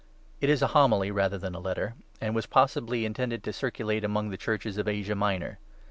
It is a Homily rather than a Letter, and was possibly intended to circulate among the Churches of Asia Minor.